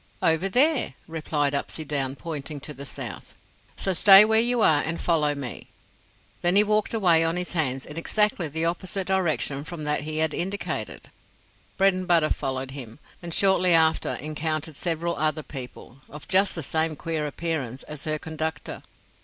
"Over there," replied Upsydoun, pointing to the south; "so stay where you are and follow me." Then he walked away on his hands in exactly the opposite direction from that he had indicated. Bredenbutta followed him, and shortly after encountered several other people, of just the same queer appearance as her conductor.